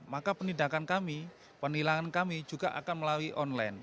maka penindakan kami penilangan kami juga akan melalui online